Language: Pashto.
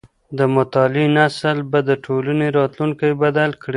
د مطالعې نسل به د ټولني راتلونکی بدل کړي.